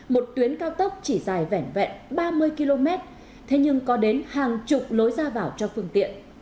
một tuyến cao tốc chỉ dài vẻ ba mươi km thế nhưng có đến hàng chục lối ra vào cho phương tiện